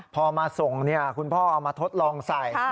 พอมาส่งคุณพ่อเอามาทดลองใส่